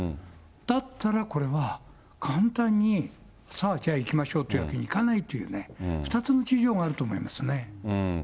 だったらこれは、簡単に、さあ、じゃあ、いきましょうという感じにはいかないっていうね、２つの事情があると思いますね。